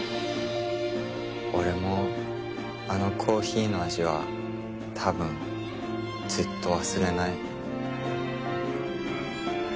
俺もあのコーヒーの味は多分ずっと忘れない。